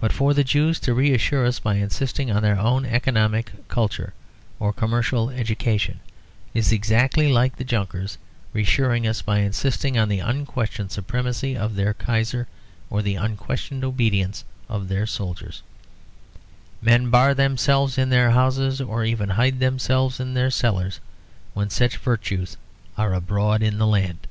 But for the Jews to reassure us by insisting on their own economic culture or commercial education is exactly like the Junkers reassuring us by insisting on the unquestioned supremacy of their Kaiser or the unquestioned obedience of their soldiers. Men bar themselves in their houses, or even hide themselves in their cellars, when such virtues are abroad in the land.